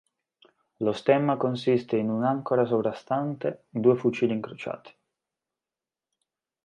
Lo stemma consiste in un'àncora sovrastante due fucili incrociati.